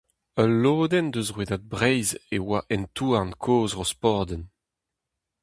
Ul lodenn eus Rouedad Breizh e oa hent-houarn kozh Rosporden.